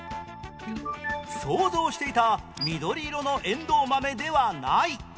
想像していた緑色のえんどう豆ではない